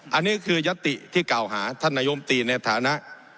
อันนี้คือยัตติที่กล่าวหาท่านนายมตีในฐานะ